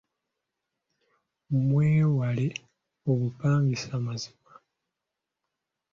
Mwewale obupangisa mazima.